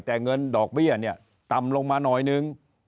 แต่เงินดอกเบี้ยเนี่ยต่ำลงมาหน่อยนึง